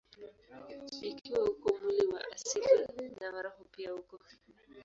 Ikiwa uko mwili wa asili, na wa roho pia uko.